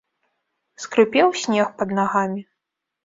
Скрыпеў снег пад нагамі.